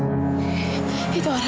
orang itu seperti